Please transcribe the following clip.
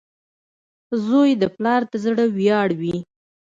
• زوی د پلار د زړۀ ویاړ وي.